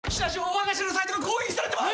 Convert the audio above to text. わが社のサイトが攻撃されてます！